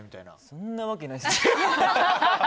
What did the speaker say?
そんなわけないですよ。